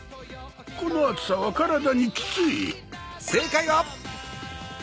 この暑さは体にきつい。